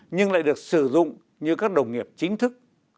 nhưng lại được sử dụng như các đồng nghiệp chính thức